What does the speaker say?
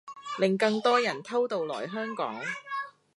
令更多人偷渡來香港